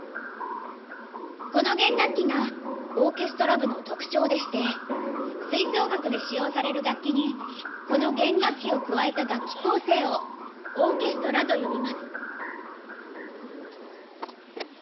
この弦楽器がオーケストラ部の特徴でして吹奏楽で使用される楽器にこの弦楽器を加えた楽器構成を「オーケストラ」と呼びます。